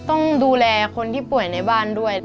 ต้องดูแลคนที่ป่วยในบ้านด้วย